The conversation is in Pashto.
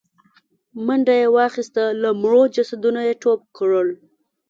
منډه يې واخيسته، له مړو جسدونو يې ټوپ کړل.